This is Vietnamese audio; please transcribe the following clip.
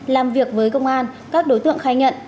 làm việc với công an các đối tượng khai nhận